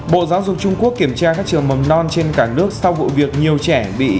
bộ giáo dục trung quốc kiểm tra các trường mầm non trên cả nước sau vụ việc nhiều trẻ bị